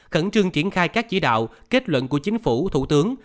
khẩn trương triển khai các chỉ đạo kết luận của chính phủ thủ tướng